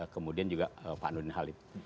kemudian juga pak nurdin halid